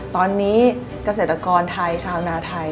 ตอนนี้เกษตรกรไทยชาวนาไทย